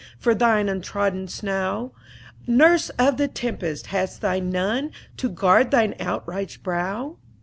For thine untrodden snow! Nurse of the tempest! hast thou none To guard thine outraged brow?"